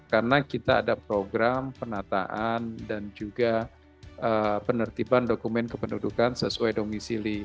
karena kita ada program penataan dan juga penertiban dokumen kependudukan sesuai domisili